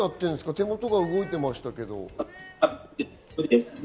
手元が動いてましたけど。